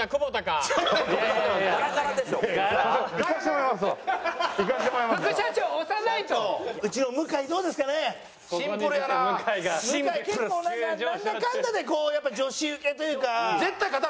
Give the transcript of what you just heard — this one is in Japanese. なんだかんだでこうやっぱり女子ウケというか。